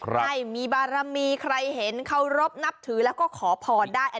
ใช่มีบารมีใครเห็นเคารพนับถือแล้วก็ขอพรได้